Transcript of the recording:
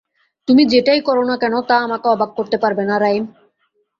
তুমি যেটাই করো না কেন তা আমাকে অবাক করতে পারবে না, রাইম।